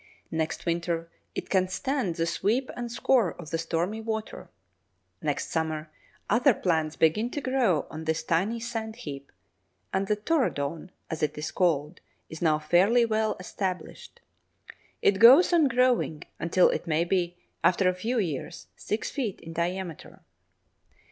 Next winter it can stand the sweep and scour of the stormy water; next summer other plants begin to grow on this tiny sand heap, and the "touradon," as it is called, is now fairly well established. It goes on growing until it may be, after a few years, six feet in diameter.